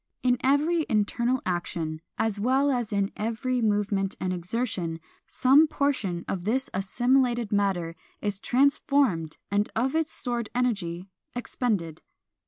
In every internal action, as well as in every movement and exertion, some portion of this assimilated matter is transformed and of its stored energy expended.